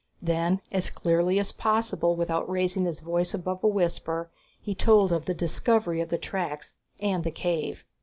Then, as clearly as possible without raising his voice above a whisper, he told of the discovery of the tracks and the cave.